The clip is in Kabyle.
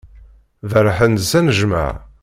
Berrḥen-d s anejmaɛ.